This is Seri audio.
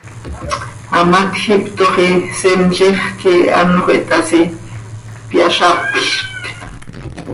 Hamatj ihptooxi, siml ix quih anxö ihtasi, hpyazaplc.